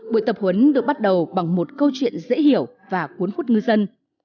buổi tập huấn được bắt đầu bằng một câu chuyện dễ hiểu và cuốn hút ngư dân